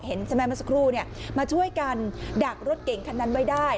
ใช่ไหมเมื่อสักครู่มาช่วยกันดักรถเก่งคันนั้นไว้ได้